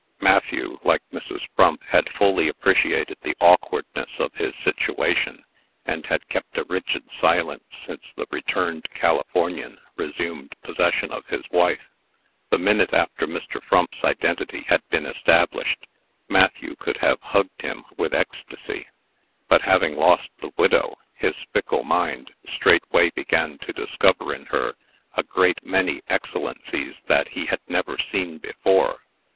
Matthew, like Mrs. Frump, had fully appreciated the awkwardness of his situation, and had kept a rigid silence since the returned Californian resumed possession of his wife. The minute after Mr. Frump's identity had been established, Matthew could have hugged him with ecstasy. But, having lost the widow, his fickle mind straightway began to discover in her a great many excellencies that he had never seen before.